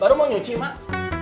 baru mau nyuci mak